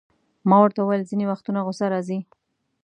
ما ورته وویل: ځیني وختونه غصه راځي.